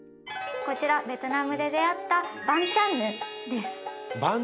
こちらベトナムで出会ったバンチャンヌン？